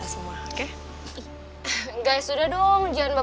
sekarang dia malah